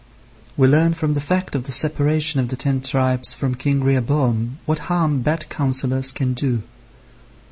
We learn from the fact of the separation of the ten tribes from King Rehoboam what harm bad counsellors can do.